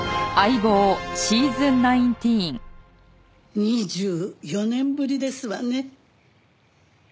２４年ぶりですわね。